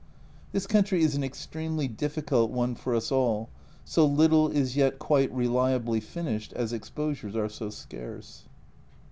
This country is an extremely difficult one for us all, so little is yet quite reliably finished, as exposures are so scarce.